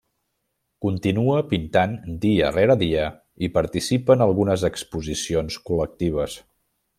Continua pintant dia rere dia i participa en algunes exposicions col·lectives.